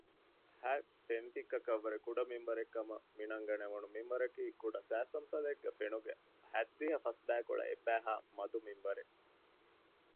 ހަތް ފެންތިއްކަކަށްވުރެ ކުޑަ މިންވަރެއްކަމަށް މިނަންގަނެވުނު މިންވަރަކީ ކުޑަ ސައިސަމްސަލެއްގެ ފެނުގެ ހަތްދިހަ ފަސްބައިކުޅަ އެއްބައިހާ މަދު މިންވަރެއް